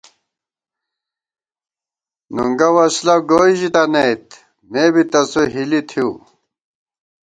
نُنگہ وسلہ گوئی ژِتنَئیت، مے بی تسُو ہِلی تھِؤ